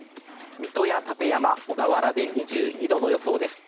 水戸や館山小田原で２２度の予想です。